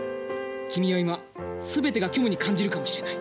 君は今全てが虚無に感じるかもしれない。